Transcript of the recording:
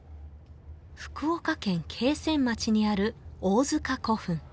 福岡県桂川町にある王塚古墳